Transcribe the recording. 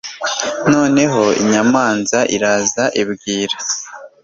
noneho inyamanza iraza ibwira